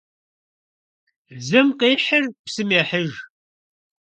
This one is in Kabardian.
Жьым къихьыр псым ехьыж.